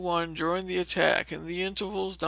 41 during the attack; in the intervals, No.